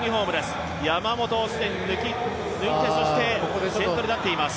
山本をすでに抜いて先頭に立っています。